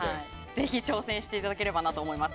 ぜひ挑戦していただければなと思います。